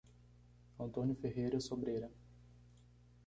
Antônio Ferreira Sobreira